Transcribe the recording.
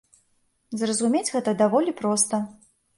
Зразумець гэта даволі проста.